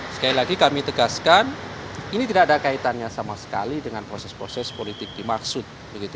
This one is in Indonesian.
sekali lagi kami tegaskan ini tidak ada kaitannya sama sekali dengan proses proses politik dimaksud